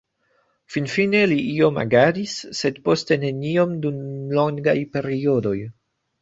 Finfine li iom agadis, sed poste neniom dum longaj periodoj.